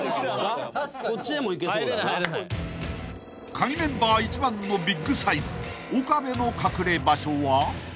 ［カギメンバー一番のビッグサイズ岡部の隠れ場所は？］